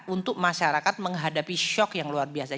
untuk masyarakat menghadapi shock yang luar biasa